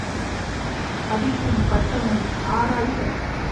படிப்பும் பட்டமும் ஆராய்க.